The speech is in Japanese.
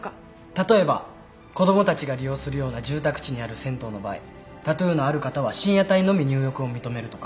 例えば子供たちが利用するような住宅地にある銭湯の場合タトゥーのある方は深夜帯のみ入浴を認めるとか。